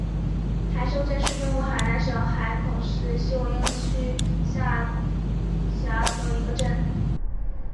海秀镇是中国海南省海口市秀英区下辖的一个镇。